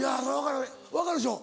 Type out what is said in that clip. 分かるでしょ？